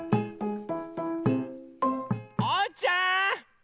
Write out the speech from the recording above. おうちゃん！